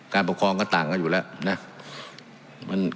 การปกครองก็ต่ำก็อยู่แล้ว